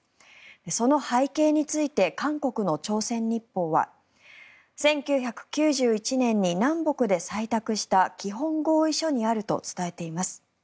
その背景について韓国の朝鮮日報は１９９１年に南北で採択した基本合意書にあると伝えています。